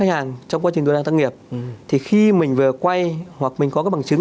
khách hàng trong quá trình tăng nghiệp thì khi mình vừa quay hoặc mình có bằng chứng